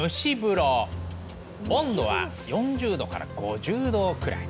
温度は４０度から５０度くらい。